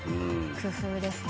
工夫ですね。